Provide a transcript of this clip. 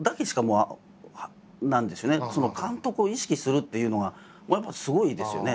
その監督を意識するっていうのがやっぱりすごいですよね。